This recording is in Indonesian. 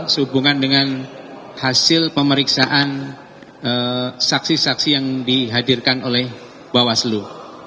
sehubungan dengan hasil pemeriksaan saksi saksi yang dihadirkan oleh bawaslu